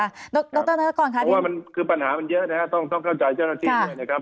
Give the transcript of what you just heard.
เพราะว่ามันคือปัญหามันเยอะนะครับต้องเข้าใจเจ้าหน้าที่ด้วยนะครับ